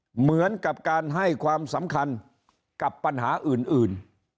เหมือนกับการให้ความสำคัญกับปัญหาอื่น